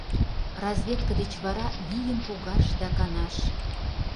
Разведке деч вара вийым погаш да канаш!